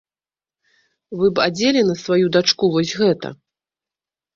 Вы б адзелі на сваю дачку вось гэта?